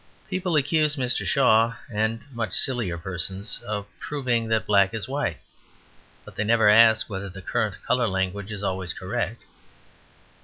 People accuse Mr. Shaw and many much sillier persons of "proving that black is white." But they never ask whether the current colour language is always correct.